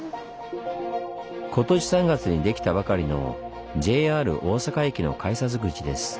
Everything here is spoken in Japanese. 今年３月にできたばかりのＪＲ大阪駅の改札口です。